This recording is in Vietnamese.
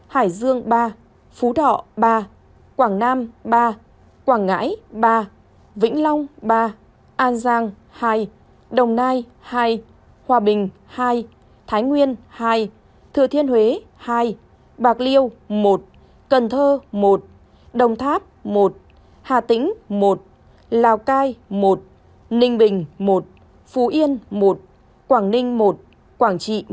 hải dương ba phú thọ ba quảng nam ba quảng ngãi ba vĩnh long ba an giang hai đồng nai hai hòa bình hai thái nguyên hai thừa thiên huế hai bạc liêu một cần thơ một đồng tháp một hà tĩnh một lào cai một ninh bình một phú yên một quảng ninh một quảng trị một